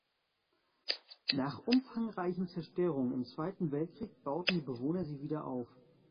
Nach umfangreichen Zerstörungen im Zweiten Weltkrieg bauten die Bewohner sie wieder auf.